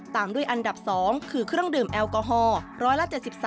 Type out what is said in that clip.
ตามด้วยอันดับ๒คือเครื่องดื่มแอลกอฮอล์๑๗๓